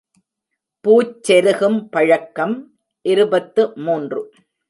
பூச் செருகும் பழக்கம் இருபத்து மூன்று.